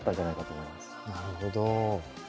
なるほど。